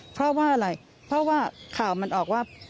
เพราะว่าอะไรเพราะว่าข่าวมันออกว่า